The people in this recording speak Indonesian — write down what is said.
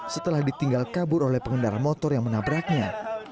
setelah ditinggal kabur oleh pengendara motor yang menabraknya